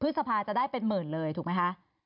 พฤษภาจะได้เป็นหมื่นเลยถูกไหมคะ